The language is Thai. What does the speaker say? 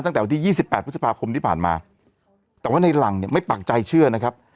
ตั้งแต่วันที่๒๘พฤษภาคมที่ผ่านมาแต่ว่าในหลังเนี่ยไม่ปากใจเชื่อนะครับ